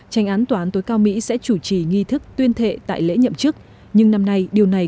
tranh án toán tối cao mỹ sẽ chủ trì nghi thức tuyên thệ tại lễ nhậm chức nhưng năm nay điều này